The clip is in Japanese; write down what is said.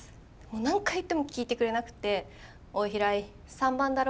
何回言っても聞いてくれなくて「おい平井３番だろ」